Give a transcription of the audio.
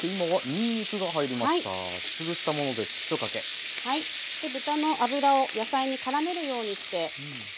で豚の脂を野菜にからめるようにして炒めて下さい。